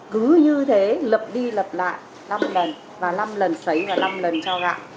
cứ như thế lập đi lập lại năm lần và năm lần xấy và năm lần cho gạo